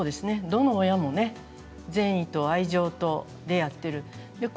どの親も善意と愛情でやっているんです。